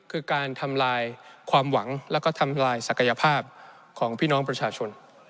คือการทำลายความหวังแล้วก็ทำลายศักยภาพของพี่น้องประชาชน